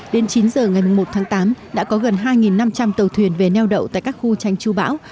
đến chín giờ ngày một tháng tám đã có gần hai năm trăm linh tàu thuyền về neo đậu tại các khu tranh chú bão